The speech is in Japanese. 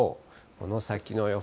この先の予報。